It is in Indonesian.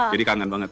jadi kangen banget